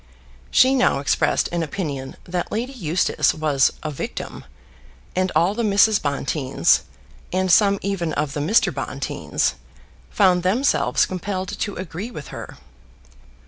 She now expressed an opinion that Lady Eustace was a victim, and all the Mrs. Bonteens, with some even of the Mr. Bonteens, found themselves compelled to agree with her.